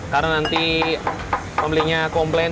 karena nanti pembelinya komplain